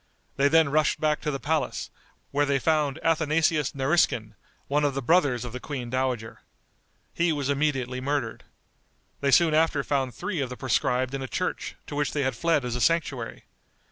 They then rushed back to the palace, where they found Athanasius Nariskin, one of the brothers of the queen dowager. He was immediately murdered. They soon after found three of the proscribed in a church, to which they had fled as a sanctuary.